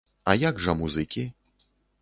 А як жа музыкі?